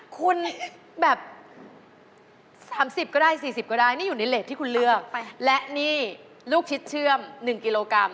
คุณแบบ๓๐ก็ได้๔๐ก็ได้นี่อยู่ในเลสที่คุณเลือกและนี่ลูกชิดเชื่อม๑กิโลกรัม